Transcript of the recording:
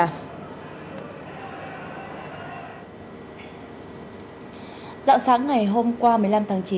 dạng sáng ngày hôm qua một mươi năm tháng chín